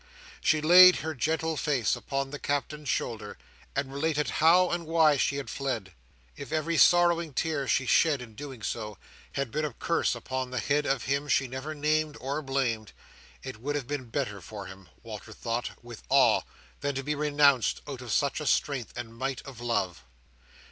She laid her gentle face upon the Captain's shoulder, and related how and why she had fled. If every sorrowing tear she shed in doing so, had been a curse upon the head of him she never named or blamed, it would have been better for him, Walter thought, with awe, than to be renounced out of such a strength and might of love.